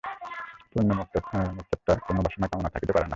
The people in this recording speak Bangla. পূর্ণ মুক্তাত্মার কোন বাসনা-কামনা থাকিতে পারে না।